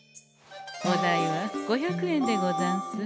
お代は５００円でござんす。